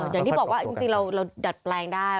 อย่างที่บอกว่าจริงเราดัดแปลงได้